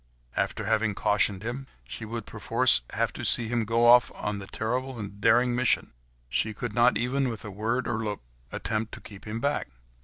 After having cautioned him, she would perforce have to see him go off upon his terrible and daring mission; she could not even with a word or look, attempt to keep him back.